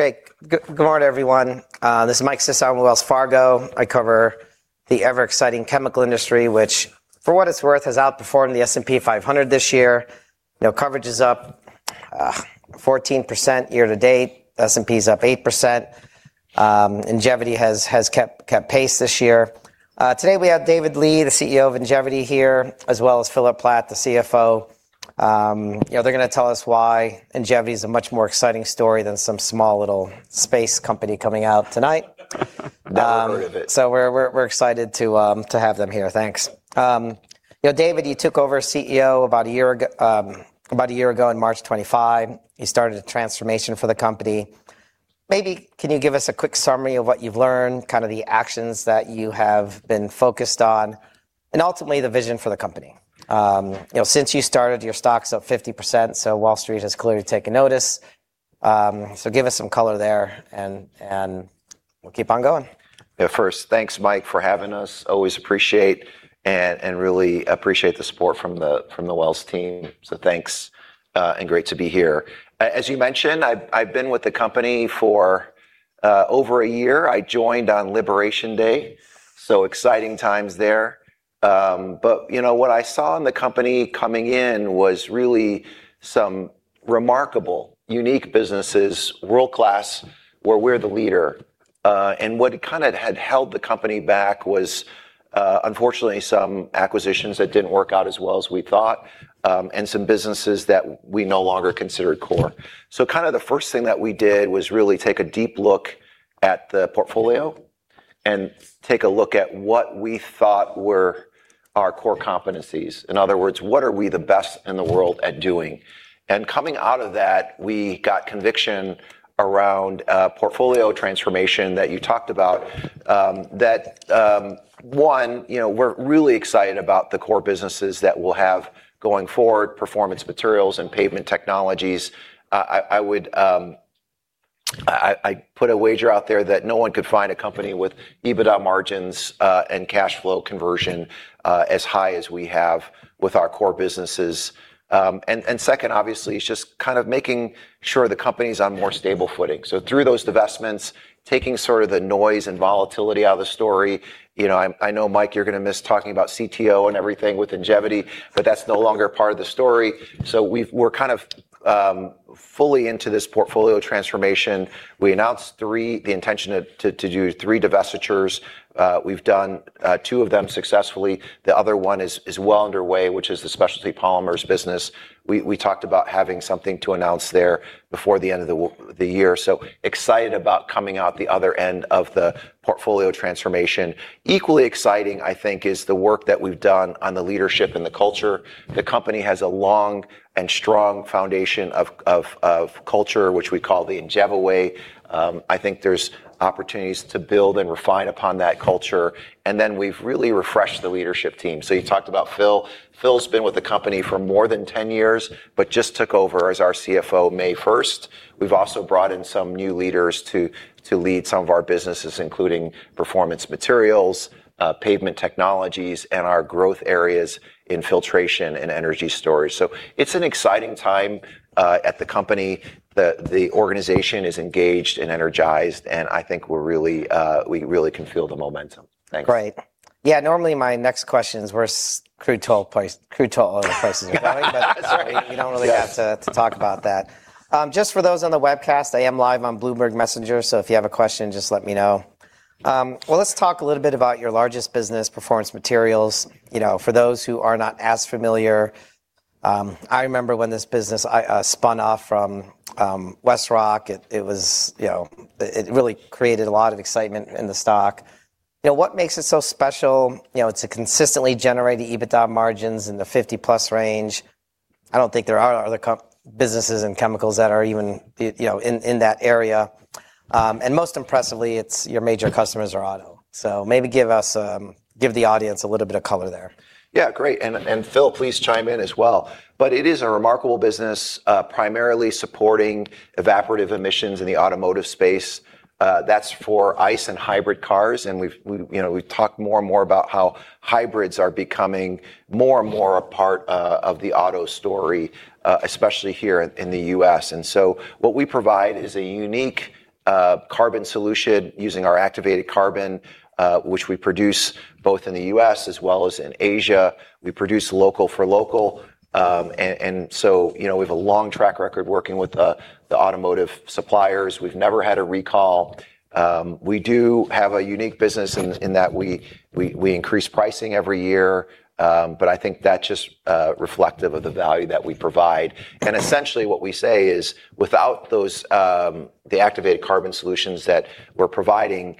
Great. Good morning, everyone. This is Mike Sison with Wells Fargo. I cover the ever-exciting chemical industry, which, for what it's worth, has outperformed the S&P 500 this year. Coverage is up 14% year-to-date. S&P's up 8%. Ingevity has kept pace this year. Today we have David Li, the CEO of Ingevity, here, as well as Phillip Platt, the CFO. They're going to tell us why Ingevity is a much more exciting story than some small little space company coming out tonight. We're excited to have them here. Thanks. David, you took over as CEO about a year ago in March 2025. You started a transformation for the company. Maybe can you give us a quick summary of what you've learned, the actions that you have been focused on, and ultimately the vision for the company? Since you started, your stock's up 50%. Wall Street has clearly taken notice. Give us some color there, and we'll keep on going. Yeah. First, thanks, Mike, for having us. Always appreciate and really appreciate the support from the Wells team. Thanks, and great to be here. As you mentioned, I've been with the company for over a year. I joined on Liberation Day, so exciting times there. What I saw in the company coming in was really some remarkable, unique businesses, world-class, where we're the leader. What had held the company back was, unfortunately, some acquisitions that didn't work out as well as we thought, and some businesses that we no longer considered core. The first thing that we did was really take a deep look at the portfolio and take a look at what we thought were our core competencies. In other words, what are we the best in the world at doing? Coming out of that, we got conviction around portfolio transformation that you talked about, that one, we're really excited about the core businesses that we'll have going forward, Performance Materials and Pavement Technologies. I put a wager out there that no one could find a company with EBITDA margins and cash flow conversion as high as we have with our core businesses. Second, obviously, it's just making sure the company's on more stable footing. Through those divestments, taking the noise and volatility out of the story. I know, Mike, you're going to miss talking about CTO and everything with Ingevity, that's no longer part of the story. We're fully into this portfolio transformation. We announced the intention to do three divestitures. We've done two of them successfully. The other one is well underway, which is the specialty polymers business. We talked about having something to announce there before the end of the year. Excited about coming out the other end of the portfolio transformation. Equally exciting, I think, is the work that we've done on the leadership and the culture. The company has a long and strong foundation of culture, which we call the IngeviWay. I think there's opportunities to build and refine upon that culture. We've really refreshed the leadership team. You talked about Phil. Phil's been with the company for more than 10 years but just took over as our CFO May 1st. We've also brought in some new leaders to lead some of our businesses, including Performance Materials, Pavement Technologies, and our growth areas in filtration and energy storage. It's an exciting time at the company. The organization is engaged and energized, and I think we really can feel the momentum. Thanks. Great. Yeah, normally my next question is where crude oil prices are going. Sorry, we don't really have to talk about that. Just for those on the webcast, I am live on Bloomberg Messenger, so if you have a question, just let me know. Let's talk a little bit about your largest business, Performance Materials. For those who are not as familiar, I remember when this business spun off from WestRock. It really created a lot of excitement in the stock. What makes it so special? It's consistently generating EBITDA margins in the 50+ range. I don't think there are other businesses in chemicals that are even in that area. Most impressively, your major customers are auto. Maybe give the audience a little bit of color there. Yeah. Great. Phil, please chime in as well. It is a remarkable business, primarily supporting evaporative emissions in the automotive space. That's for ICE and hybrid cars, and we've talked more and more about how hybrids are becoming more and more a part of the auto story, especially here in the U.S. What we provide is a unique carbon solution using our activated carbon, which we produce both in the U.S. as well as in Asia. We produce local for local. We have a long track record working with the automotive suppliers. We've never had a recall. We do have a unique business in that we increase pricing every year. I think that's just reflective of the value that we provide. Essentially what we say is, without the activated carbon solutions that we're providing,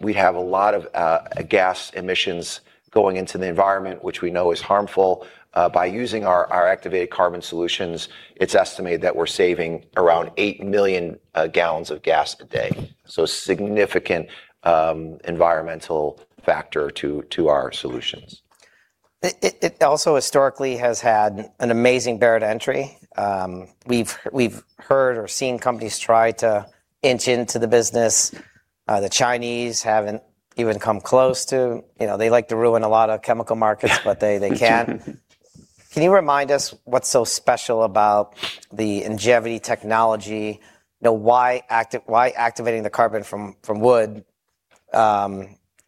we'd have a lot of gas emissions going into the environment, which we know is harmful. By using our activated carbon solutions, it's estimated that we're saving around 8 million gallons of gas a day. Significant environmental factor to our solutions. It also historically has had an amazing barrier to entry. We've heard or seen companies try to inch into the business. The Chinese haven't even come close to. They like to ruin a lot of chemical markets, but they can't. Can you remind us what's so special about the Ingevity technology? Why activating the carbon from wood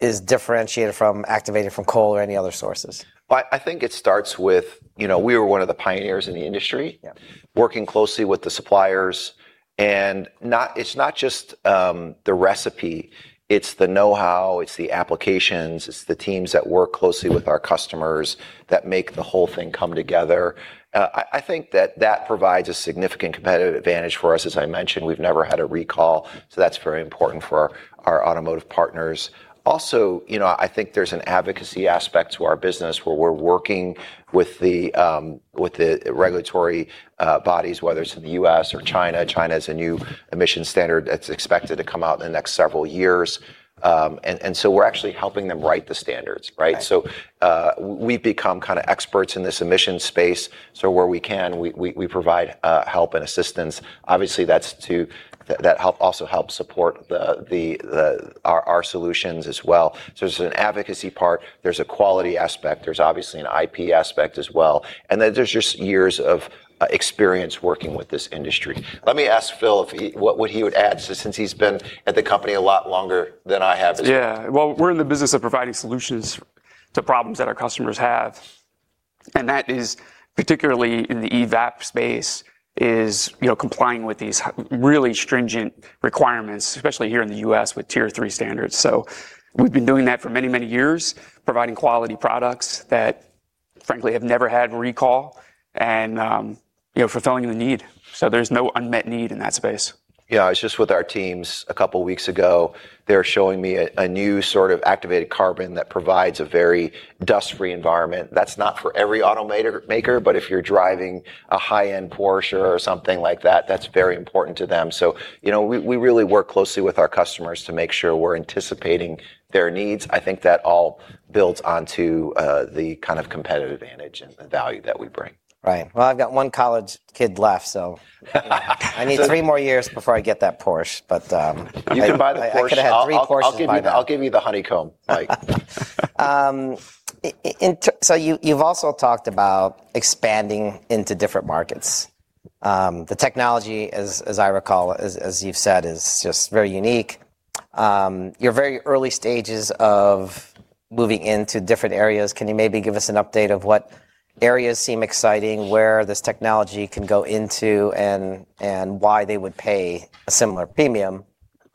is differentiated from activated from coal or any other sources? I think it starts with, we were one of the pioneers in the industry. Yeah. Working closely with the suppliers. It's not just the recipe, it's the knowhow, it's the applications, it's the teams that work closely with our customers that make the whole thing come together. I think that provides a significant competitive advantage for us. As I mentioned, we've never had a recall, so that's very important for our automotive partners. Also, I think there's an advocacy aspect to our business where we're working with the regulatory bodies, whether it's in the U.S. or China. China has a new emissions standard that's expected to come out in the next several years. We're actually helping them write the standards, right? Right. We've become kind of experts in this emissions space, where we can, we provide help and assistance. Obviously, that also helps support our solutions as well. There's an advocacy part, there's a quality aspect, there's obviously an IP aspect as well, and then there's just years of experience working with this industry. Let me ask Phil what he would add, since he's been at the company a lot longer than I have. Well, we're in the business of providing solutions to problems that our customers have, and that is particularly in the EVAP space, is complying with these really stringent requirements, especially here in the U.S. with Tier 3 standards. We've been doing that for many, many years, providing quality products that frankly have never had recall and fulfilling the need. There's no unmet need in that space. I was just with our teams a couple of weeks ago. They were showing me a new sort of activated carbon that provides a very dust-free environment. That's not for every auto maker, but if you're driving a high-end Porsche or something like that's very important to them. We really work closely with our customers to make sure we're anticipating their needs. I think that all builds onto the kind of competitive advantage and the value that we bring. Right. Well, I've got one college kid left. I need three more years before I get that Porsche. You can buy the Porsche. I could have had three Porsches by now. I'll give you the honeycomb, Mike. You've also talked about expanding into different markets. The technology, as I recall, as you've said, is just very unique. You're very early stages of moving into different areas. Can you maybe give us an update of what areas seem exciting, where this technology can go into, and why they would pay a similar premium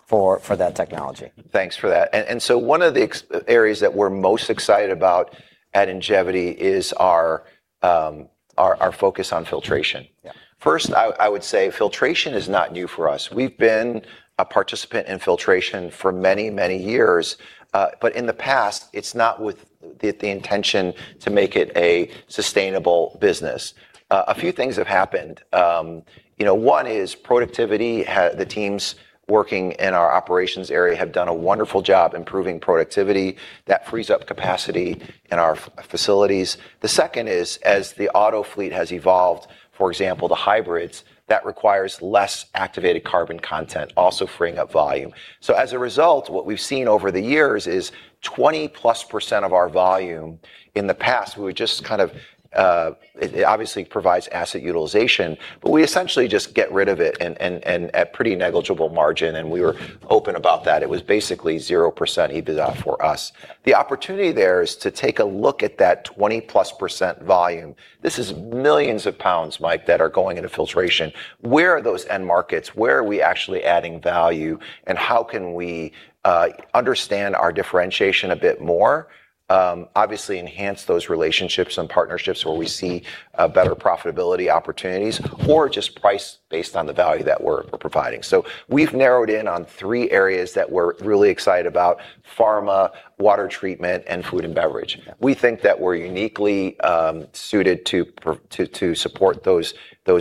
for that technology? Thanks for that. One of the areas that we're most excited about at Ingevity is our focus on filtration. Yeah. First, I would say filtration is not new for us. We've been a participant in filtration for many, many years. In the past, it's not with the intention to make it a sustainable business. A few things have happened. One is productivity. The teams working in our operations area have done a wonderful job improving productivity. That frees up capacity in our facilities. The second is, as the auto fleet has evolved, for example, the hybrids, that requires less activated carbon content, also freeing up volume. As a result, what we've seen over the years is 20%+ of our volume in the past, we would just kind of. It obviously provides asset utilization, but we essentially just get rid of it and at pretty negligible margin, and we were open about that. It was basically 0% EBITDA for us. The opportunity there is to take a look at that 20%+ volume. This is millions of pounds, Mike, that are going into filtration. Where are those end markets? Where are we actually adding value, and how can we understand our differentiation a bit more? Obviously enhance those relationships and partnerships where we see better profitability opportunities or just price based on the value that we're providing. We've narrowed in on three areas that we're really excited about: pharma, water treatment, and food and beverage. We think that we're uniquely suited to support those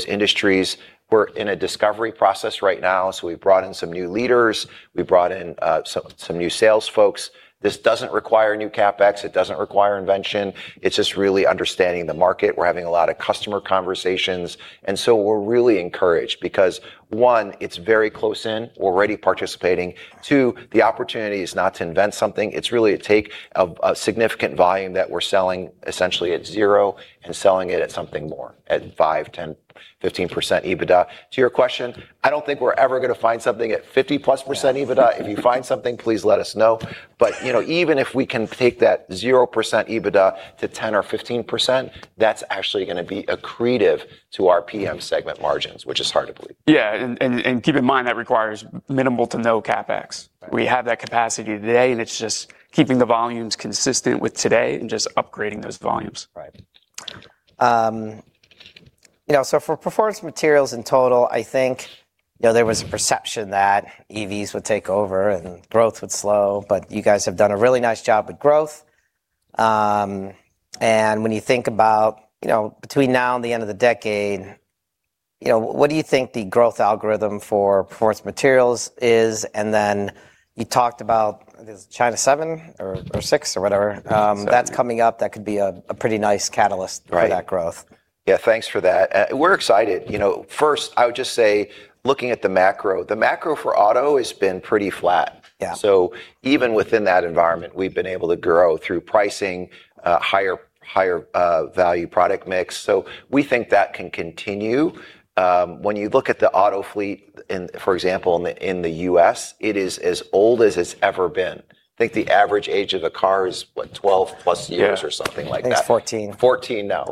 industries. We're in a discovery process right now, we've brought in some new leaders. We've brought in some new sales folks. This doesn't require new CapEx. It doesn't require invention. It's just really understanding the market. We're having a lot of customer conversations, we're really encouraged because, one, it's very close in, we're already participating. Two, the opportunity is not to invent something. It's really to take a significant volume that we're selling essentially at zero and selling it at something more, at 5%, 10%, 15% EBITDA. To your question, I don't think we're ever going to find something at 50%+ EBITDA. If you find something, please let us know. Even if we can take that 0% EBITDA to 10% or 15%, that's actually going to be accretive to our PM segment margins, which is hard to believe. Yeah. Keep in mind, that requires minimal to no CapEx. Right. We have that capacity today, it's just keeping the volumes consistent with today and just upgrading those volumes. Right. For Performance Materials in total, I think there was a perception that EVs would take over and growth would slow, you guys have done a really nice job with growth. When you think about between now and the end of the decade, what do you think the growth algorithm for Performance Materials is? Then you talked about, is China 7 or 6 or whatever? Seven. That's coming up. That could be a pretty nice catalyst - Right. - for that growth. Yeah, thanks for that. We're excited. First, I would just say looking at the macro, the macro for auto has been pretty flat. Yeah. Even within that environment, we've been able to grow through pricing, higher value product mix. We think that can continue. When you look at the auto fleet, for example, in the U.S., it is as old as it's ever been. I think the average age of a car is what, 12+ years or something like that. I think it's 14. 14 now.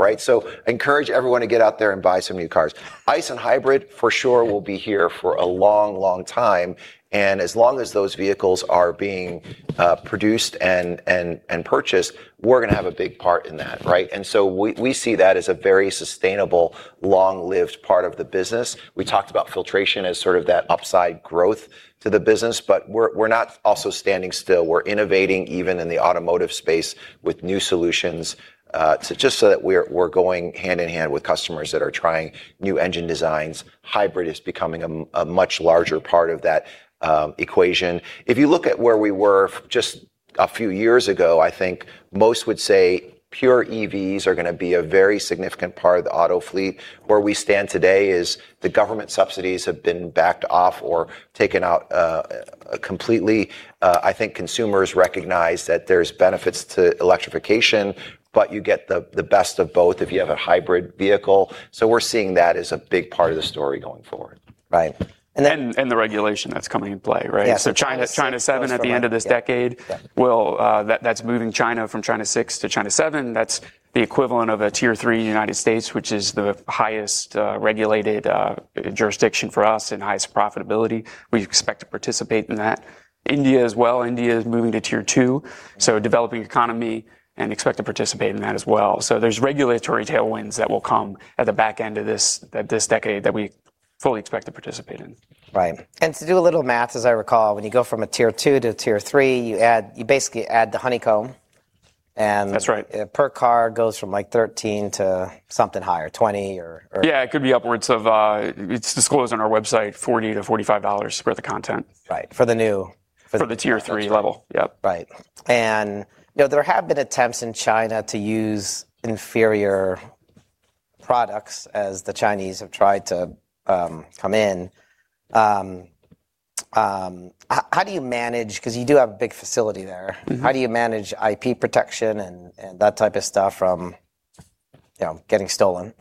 Encourage everyone to get out there and buy some new cars. ICE and hybrid for sure will be here for a long time, and as long as those vehicles are being produced and purchased, we're going to have a big part in that. We see that as a very sustainable, long-lived part of the business. We talked about filtration as sort of that upside growth to the business, but we're not also standing still. We're innovating even in the automotive space with new solutions, just so that we're going hand-in-hand with customers that are trying new engine designs. Hybrid is becoming a much larger part of that equation. If you look at where we were just a few years ago, I think most would say pure EVs are going to be a very significant part of the auto fleet. Where we stand today is the government subsidies have been backed off or taken out completely. I think consumers recognize that there's benefits to electrification, but you get the best of both if you have a hybrid vehicle. We're seeing that as a big part of the story going forward. Right. The regulation that's coming in play, right? Yeah. China- China 7 at the end of this decade. Yeah. That's moving China from China 6 to China 7. That's the equivalent of a Tier 3 in the U.S., which is the highest regulated jurisdiction for us and highest profitability. We expect to participate in that. India as well. India is moving to Tier 2, a developing economy, and expect to participate in that as well. There's regulatory tailwinds that will come at the back end of this decade that we fully expect to participate in. Right. To do a little math, as I recall, when you go from a Tier 2 to a Tier 3, you basically add the honeycomb, and - That's right. - per car goes from 13 to something higher, 20. Yeah, it could be upwards of, it's disclosed on our website, $40-$45 for the content. Right. For the Tier 3 level. Yep. Right. There have been attempts in China to use inferior products as the Chinese have tried to come in. How do you manage, because you do have a big facility there, how do you manage IP protection and that type of stuff from getting stolen?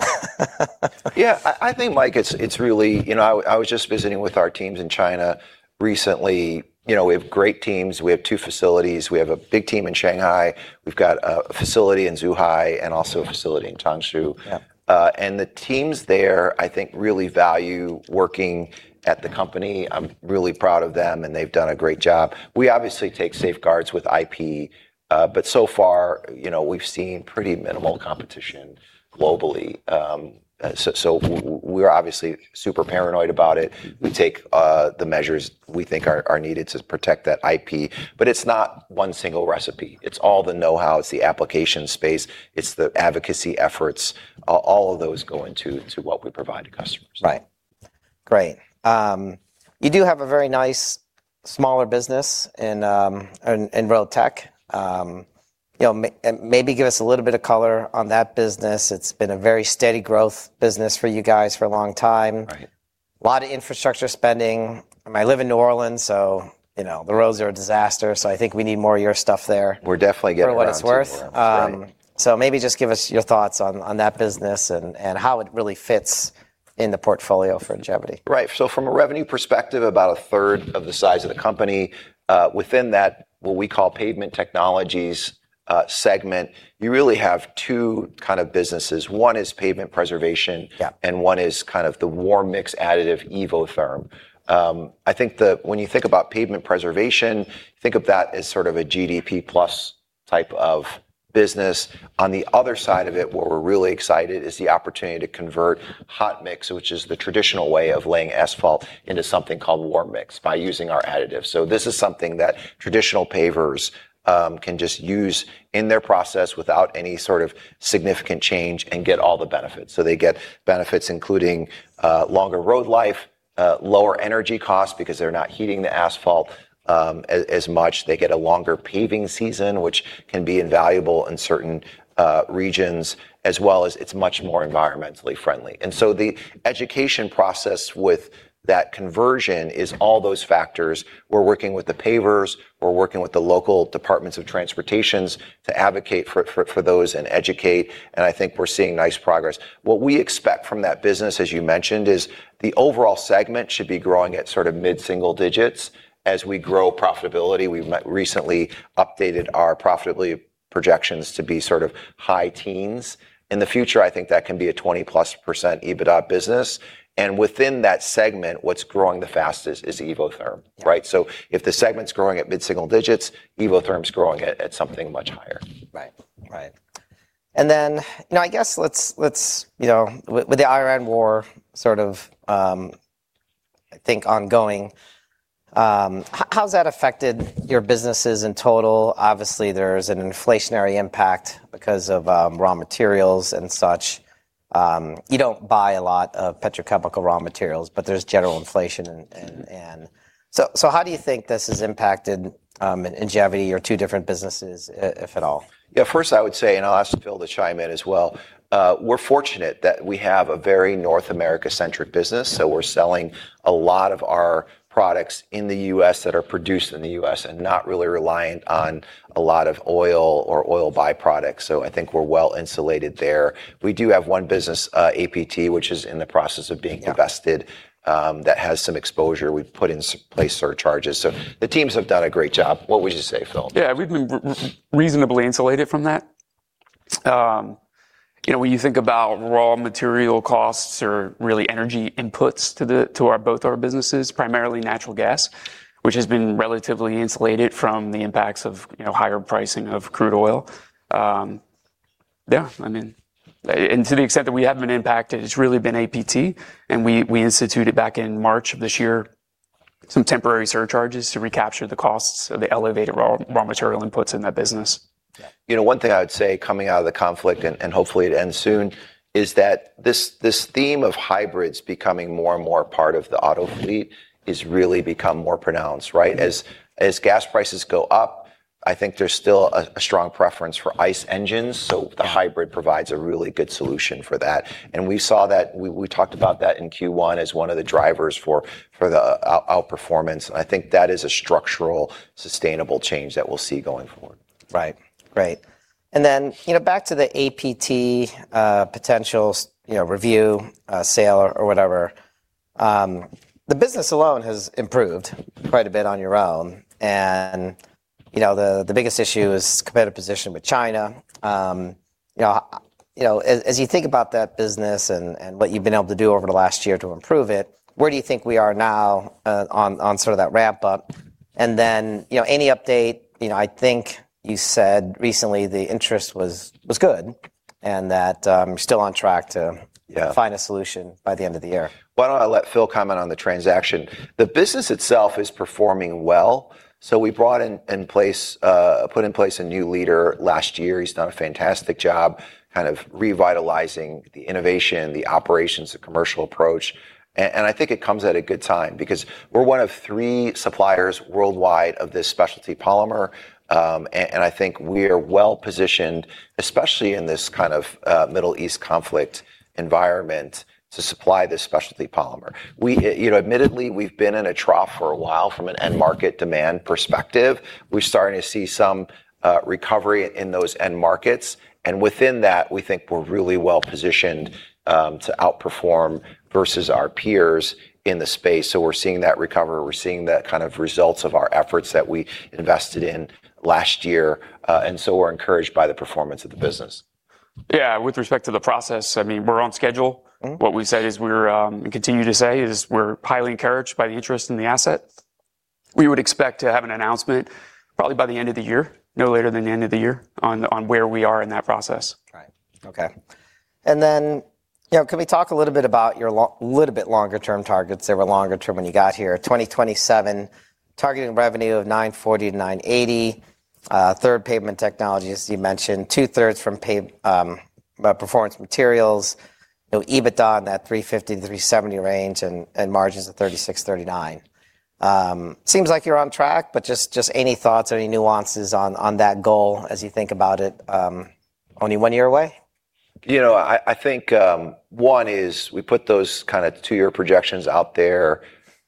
Yeah, I think, Mike, I was just visiting with our teams in China recently. We have great teams. We have two facilities. We have a big team in Shanghai. We've got a facility in Zhuhai and also a facility in Changshu. Yeah. The teams there, I think, really value working at the company. I'm really proud of them, and they've done a great job. We obviously take safeguards with IP. So far, we've seen pretty minimal competition globally. We're obviously super paranoid about it. We take the measures we think are needed to protect that IP. It's not one single recipe. It's all the knowhow. It's the application space. It's the advocacy efforts. All of those go into what we provide to customers. Right. Great. You do have a very nice smaller business in Road Technologies. Maybe give us a little bit of color on that business. It's been a very steady growth business for you guys for a long time. Right. Lot of infrastructure spending. I live in New Orleans, so the roads are a disaster, so I think we need more of your stuff there. We're definitely getting it around to New Orleans. For what it's worth. Right. Maybe just give us your thoughts on that business and how it really fits in the portfolio for Ingevity. Right. From a revenue perspective, about a third of the size of the company. Within that, what we call Pavement Technologies segment, you really have two kind of businesses. One is pavement preservation. Yeah. One is kind of the warm mix additive, Evotherm. I think that when you think about pavement preservation, think of that as sort of a GDP plus type of business. On the other side of it, what we're really excited is the opportunity to convert hot mix, which is the traditional way of laying asphalt, into something called warm mix by using our additives. This is something that traditional pavers can just use in their process without any sort of significant change and get all the benefits. They get benefits including longer road life, lower energy cost because they're not heating the asphalt as much. They get a longer paving season, which can be invaluable in certain regions, as well as it's much more environmentally friendly. The education process with that conversion is all those factors. We're working with the pavers. We're working with the local departments of transportations to advocate for those and educate, I think we're seeing nice progress. What we expect from that business, as you mentioned, is the overall segment should be growing at sort of mid-single digits as we grow profitability. We've recently updated our profitability projections to be sort of high teens. In the future, I think that can be a 20%+ EBITDA business. Within that segment, what's growing the fastest is Evotherm, right? So if the segment's growing at mid-single digits, Evotherm's growing at something much higher. Right. Now I guess with the Iran war sort of, I think, ongoing. How's that affected your businesses in total? Obviously, there's an inflationary impact because of raw materials and such. You don't buy a lot of petrochemical raw materials, but there's general inflation. How do you think this has impacted Ingevity or two different businesses, if at all? Yeah. First, I would say, I'll ask Phil to chime in as well, we're fortunate that we have a very North America-centric business, so we're selling a lot of our products in the U.S. that are produced in the U.S. and not really reliant on a lot of oil or oil byproducts. I think we're well-insulated there. We do have one business, APT, which is in the process of being divested. Yeah. That has some exposure. We've put in place surcharges. The teams have done a great job. What would you say, Phil? We've been reasonably insulated from that. When you think about raw material costs or really energy inputs to both our businesses, primarily natural gas, which has been relatively insulated from the impacts of higher pricing of crude oil. To the extent that we have been impacted, it's really been APT, and we instituted back in March of this year some temporary surcharges to recapture the costs of the elevated raw material inputs in that business. One thing I would say, coming out of the conflict, and hopefully it ends soon, is that this theme of hybrids becoming more and more a part of the auto fleet has really become more pronounced. Right? As gas prices go up, I think there's still a strong preference for ICE engines, so the hybrid provides a really good solution for that. We saw that, we talked about that in Q1 as one of the drivers for the outperformance, I think that is a structural, sustainable change that we'll see going forward. Right. Great. Back to the APT potential review, sale, or whatever. The business alone has improved quite a bit on your own, the biggest issue is competitive position with China. As you think about that business and what you've been able to do over the last year to improve it, where do you think we are now on sort of that ramp-up? Any update, I think you said recently the interest was good and that you're still on track - Yeah. - find a solution by the end of the year. Why don't I let Phil comment on the transaction? The business itself is performing well. We brought in place a new leader last year. He's done a fantastic job kind of revitalizing the innovation, the operations, the commercial approach. I think it comes at a good time because we're one of three suppliers worldwide of this specialty polymer, and I think we're well-positioned, especially in this kind of Middle East conflict environment, to supply this specialty polymer. Admittedly, we've been in a trough for a while from an end market demand perspective. We're starting to see some recovery in those end markets, and within that, we think we're really well-positioned to outperform versus our peers in the space. We're seeing that recover. We're seeing that kind of results of our efforts that we invested in last year. We're encouraged by the performance of the business. Yeah. With respect to the process, we're on schedule. What we said is we're, and continue to say is we're highly encouraged by the interest in the asset. We would expect to have an announcement probably by the end of the year, no later than the end of the year, on where we are in that process. Right. Okay. Can we talk a little bit about your little bit longer-term targets? They were longer term when you got here. 2027, targeting revenue of $940 million-$980 million. Third, Pavement Technologies, as you mentioned. Two-thirds from Performance Materials. EBITDA in that $350 million-$370 million range and margins of 36%-39%. Seems like you're on track, but just any thoughts, any nuances on that goal as you think about it only one year away? I think one is we put those kind of two-year projections out there.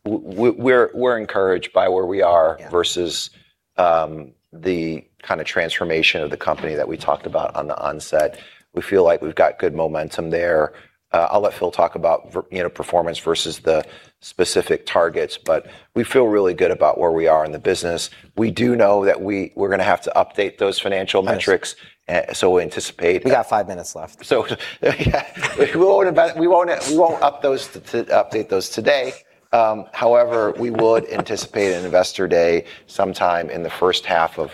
We're encouraged by where we are - Yeah. - versus the kind of transformation of the company that we talked about on the onset. We feel like we've got good momentum there. I'll let Phil talk about performance versus the specific targets, but we feel really good about where we are in the business. We do know that we're going to have to update those financial metrics. Yes. We anticipate. We got five minutes left. Yeah. We won't update those today. However, we would anticipate an investor day sometime in the first half of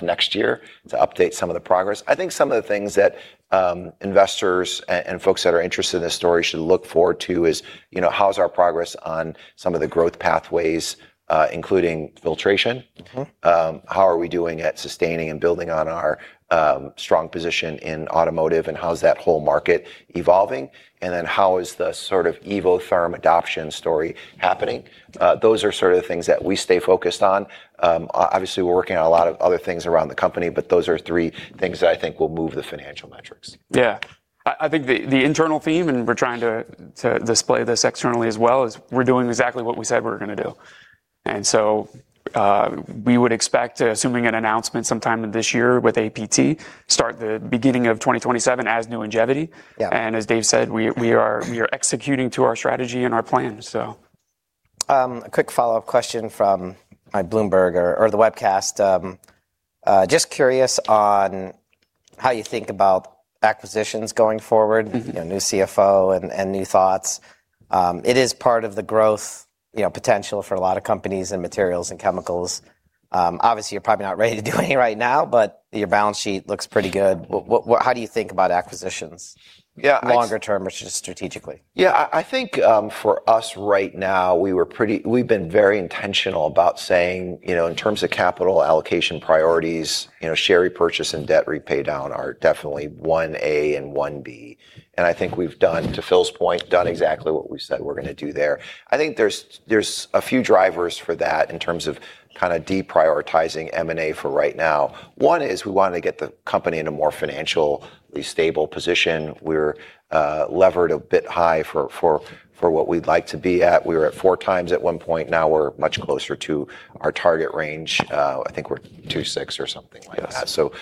next year to update some of the progress. I think some of the things that investors and folks that are interested in this story should look forward to is how's our progress on some of the growth pathways, including filtration. How are we doing at sustaining and building on our strong position in automotive, and how's that whole market evolving? How is the sort of Evotherm adoption story happening? Those are sort of the things that we stay focused on. Obviously, we're working on a lot of other things around the company, but those are three things that I think will move the financial metrics. Yeah. I think the internal theme, and we're trying to display this externally as well, is we're doing exactly what we said we were going to do. We would expect, assuming an announcement sometime this year with APT, start the beginning of 2027 as new Ingevity. Yeah. As Dave said, we are executing to our strategy and our plan. A quick follow-up question from Bloomberg or the webcast. Just curious on how you think about acquisitions going forward. New CFO and new thoughts. It is part of the growth potential for a lot of companies in materials and chemicals. Obviously, you're probably not ready to do any right now, but your balance sheet looks pretty good. How do you think about acquisitions Yeah. longer term, just strategically? Yeah. I think for us right now, we've been very intentional about saying, in terms of capital allocation priorities, share repurchase and debt repay down are definitely 1A and 1B. I think we've, to Phil's point, done exactly what we said we're going to do there. I think there's a few drivers for that in terms of deprioritizing M&A for right now. One is we want to get the company in a more financially stable position. We're levered a bit high for what we'd like to be at. We were at 4x at one point. Now we're much closer to our target range. I think we're 2.6 or something like that. Yes.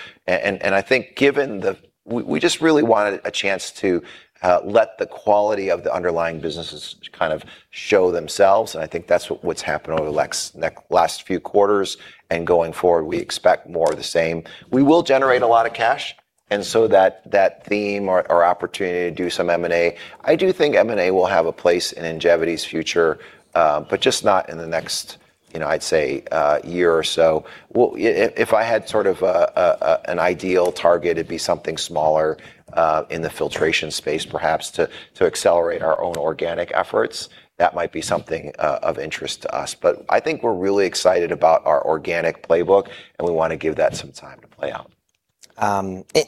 We just really wanted a chance to let the quality of the underlying businesses show themselves, I think that's what's happened over the last few quarters. Going forward, we expect more of the same. We will generate a lot of cash, and so that theme or opportunity to do some M&A, I do think M&A will have a place in Ingevity's future, but just not in the next, I'd say, year or so. If I had an ideal target, it'd be something smaller in the filtration space, perhaps to accelerate our own organic efforts. That might be something of interest to us. I think we're really excited about our organic playbook, and we want to give that some time to play out.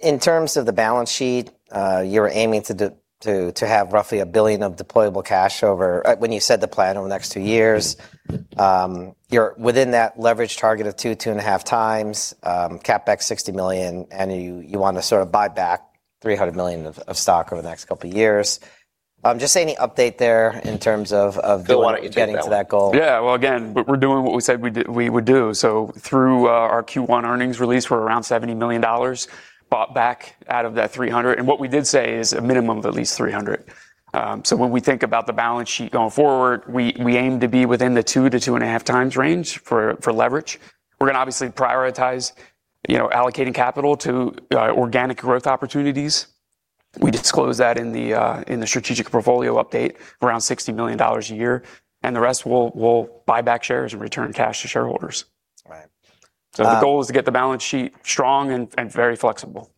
In terms of the balance sheet, you're aiming to have roughly $1 billion of deployable cash, when you set the plan, over the next two years. You're within that leverage target of 2.5x, CapEx $60 million, you want to sort of buy back $300 million of stock over the next couple of years. Just any update there in terms of - Phil, why don't you take that one? - getting to that goal. Well, again, we're doing what we said we would do. Through our Q1 earnings release, we're around $70 million bought back out of that $300. What we did say is a minimum of at least $300. When we think about the balance sheet going forward, we aim to be within the 2-2.5x range for leverage. We're going to obviously prioritize allocating capital to organic growth opportunities. We disclose that in the strategic portfolio update, around $60 million a year, and the rest we'll buy back shares and return cash to shareholders. Right. The goal is to get the balance sheet strong and very flexible.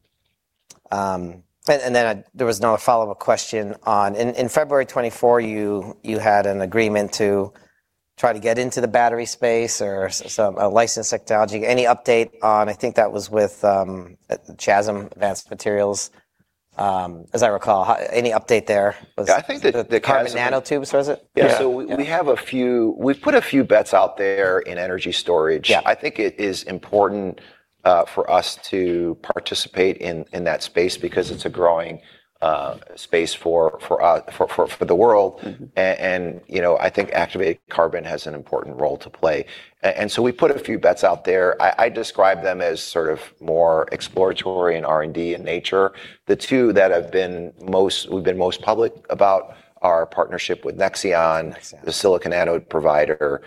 There was another follow-up question on, in February 2024, you had an agreement to try to get into the battery space or a licensed technology. Any update on, I think that was with CHASM Advanced Materials, as I recall. Any update there? I think that CHASM. Carbon nanotubes, was it? Yeah. Yeah. We've put a few bets out there in energy storage. Yeah. I think it is important for us to participate in that space because it's a growing space for the world. I think activated carbon has an important role to play. We put a few bets out there. I describe them as more exploratory and R&D in nature. The two that we've been most public about are our partnership with Nexeon. Nexeon. The silicon anode provider,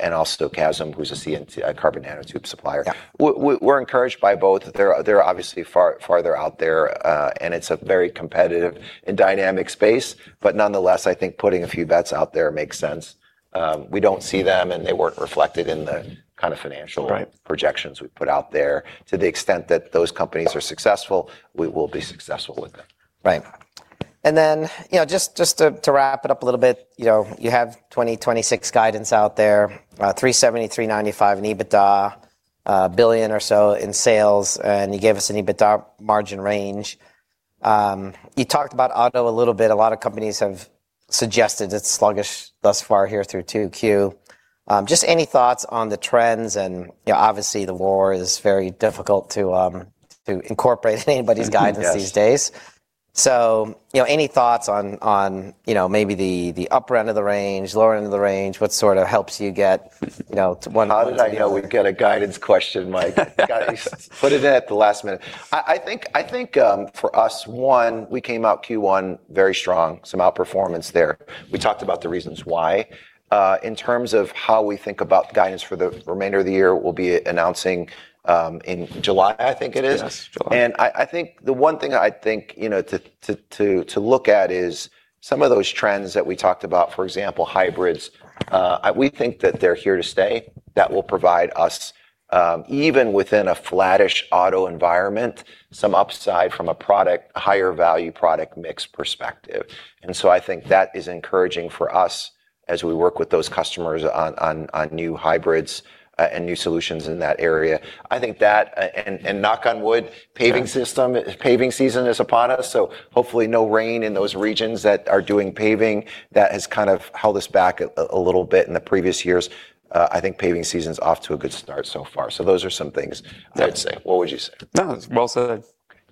and also CHASM, who's a carbon nanotube supplier. Yeah. We're encouraged by both. They're obviously farther out there, and it's a very competitive and dynamic space. Nonetheless, I think putting a few bets out there makes sense. We don't see them, and they weren't reflected in the kind of financial - Right - projections we put out there. To the extent that those companies are successful, we will be successful with them. Right. Then, just to wrap it up a little bit, you have 2026 guidance out there, $370 million-$395 million in EBITDA, a billion or so in sales, and you gave us an EBITDA margin range. You talked about auto a little bit. A lot of companies have suggested it's sluggish thus far here through 2Q. Just any thoughts on the trends and, obviously, the war is very difficult to incorporate in anybody's guidance these days. Yes. Any thoughts on maybe the upper end of the range, lower end of the range, what sort of helps you get to one point or the other? How did I know we'd get a guidance question, Mike? God, you put it in at the last minute. I think for us, one, we came out Q1 very strong, some outperformance there. We talked about the reasons why. In terms of how we think about the guidance for the remainder of the year, we'll be announcing in July, I think it is. Yes, July. I think the one thing to look at is some of those trends that we talked about, for example, hybrids. We think that they're here to stay. That will provide us, even within a flattish auto environment, some upside from a higher value product mix perspective. I think that is encouraging for us as we work with those customers on new hybrids and new solutions in that area. I think that, and knock on wood. Yeah. Paving season is upon us, so hopefully no rain in those regions that are doing paving. That has held us back a little bit in the previous years. I think paving season's off to a good start so far. Those are some things I'd say. What would you say? No, it's well said. Okay,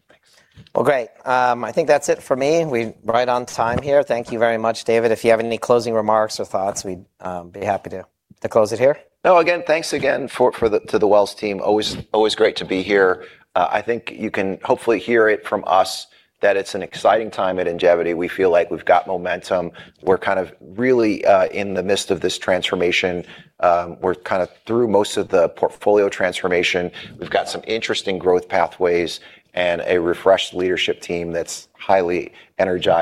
thanks. Well, great. I think that's it for me. We're right on time here. Thank you very much, David. If you have any closing remarks or thoughts, we'd be happy to close it here. No, again, thanks again to the Wells team. Always great to be here. I think you can hopefully hear it from us that it's an exciting time at Ingevity. We feel like we've got momentum. We're really in the midst of this transformation. We're through most of the portfolio transformation. We've got some interesting growth pathways and a refreshed leadership team that's highly energized.